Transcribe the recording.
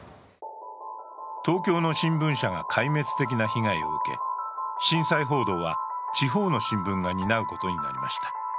東京の新聞社が開明的な被害を受け、震災報道は地方の新聞が担うことになりました。